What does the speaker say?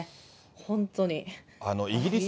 本当に。